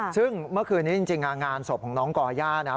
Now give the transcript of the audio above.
ซึ่งเมื่อคืนนี้จริงงานศพของน้องก่อย่านะ